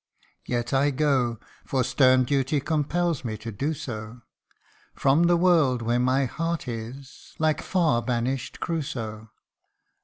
Yet I go for stern duty compels me to do so From the world where my heart is, like far banished Crusoe.